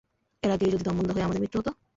এর আগেই যদি দম বন্ধ হয়ে আমাদের মৃত্যু হতো।